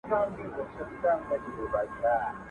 څه پروا که مي په ژوند کي یا خندلي یا ژړلي.